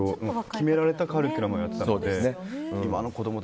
決められたカリキュラムをやっていたので。